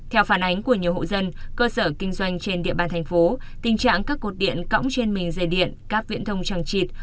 theo phản ánh của nhiều hộ dân cơ sở kinh doanh trên địa bàn thành phố tình trạng các cột điện cõng trên mình dây điện cáp viễn thông trăng trịt